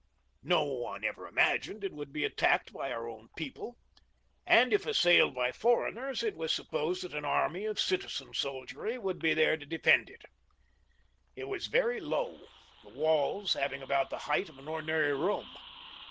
No one ever imagined it would be attacked by our own people ; and if assailed by foreigners, it was supposed that an army of citizen soldiery would be there to defend it. It was very low, the walls having about the height of an ordinary room.